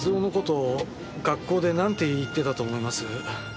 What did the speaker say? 学校でなんて言ってたと思います？